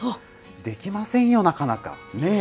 できませんよ、なかなか。ね？